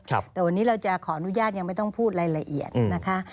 แต่วันนี้เราจะขออนุญาตยังไม่ต้องพูดรายละเอียดนะคะ